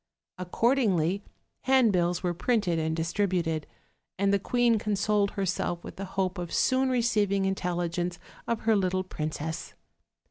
Accordingly, handbills were printed and distributed, and the queen consoled herself with the hope of soon receiving intelligence of her little princess.